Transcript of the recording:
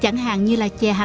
chẳng hạn như là chè hạt sen